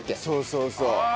そうそうそう。